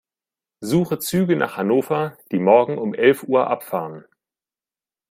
Suche Züge nach Hannover, die morgen um elf Uhr abfahren.